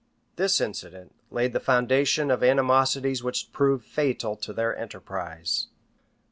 This incident laid the foundation of animosities which proved fatal to their enterprise.